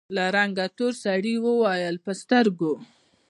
له رنګه تور سړي وويل: په سترګو!